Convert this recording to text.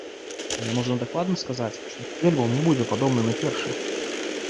Але можна дакладна сказаць, што другі альбом не будзе падобны на першы.